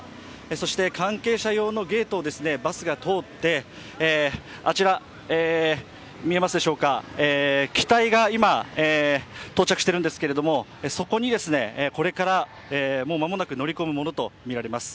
そして、関係者用のゲートをバスが通って、あちら、機体が今到着しているんですけれどもそこにこれから、もう間もなく乗り込むものとみられます。